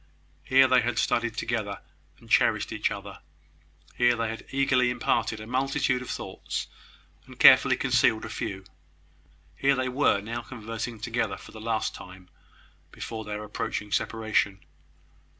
Here they had studied together, and cherished each other: here they had eagerly imparted a multitude of thoughts, and carefully concealed a few. Here they were now conversing together for the last time before their approaching separation.